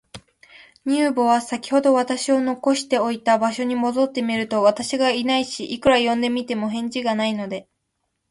乳母は、さきほど私を残しておいた場所に戻ってみると、私がいないし、いくら呼んでみても、返事がないので、